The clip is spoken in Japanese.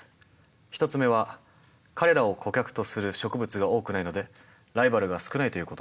１つ目は彼らを顧客とする植物が多くないのでライバルが少ないということ。